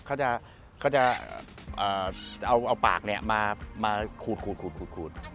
เขาจะเอาปากมาขูด